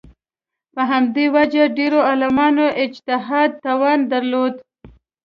په همدې وجه ډېرو عالمانو اجتهاد توان درلود